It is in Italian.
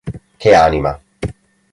Che anima!